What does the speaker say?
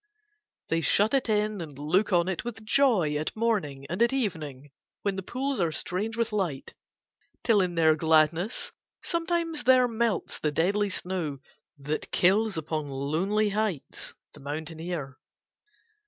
They shut it in and look on it with joy at morning and at evening when the pools are strange with light, till in their gladness sometimes there melts the deadly snow that kills upon lonely heights the mountaineer.